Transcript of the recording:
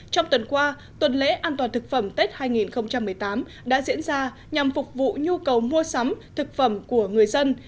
trong tuần qua tuần lễ an toàn thực phẩm tết hai nghìn một mươi tám đã diễn ra nhằm phục vụ nhu cầu mua sắm thực phẩm của người dân